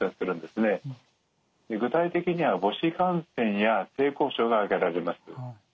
具体的には母子感染や性交渉が挙げられます。